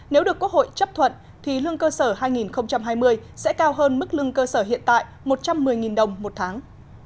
nếu được quốc hội chấp thuận thì lương cơ sở hai nghìn hai mươi sẽ cao hơn mức lương cơ sở hiện tại một trăm một mươi đồng một tháng